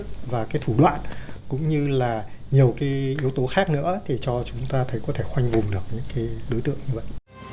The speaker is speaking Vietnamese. và cái thủ đoạn cũng như là nhiều cái yếu tố khác nữa thì cho chúng ta thấy có thể khoanh vùng được những cái đối tượng như vậy